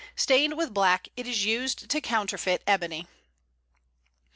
Stained with black, it is used to counterfeit ebony.